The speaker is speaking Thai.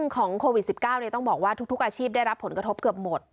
ของโควิด๑๙ต้องบอกว่าทุกอาชีพได้รับผลกระทบเกือบหมด